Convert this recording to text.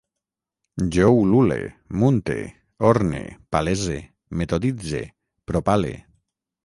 Jo ulule, munte, orne, palese, metoditze, propale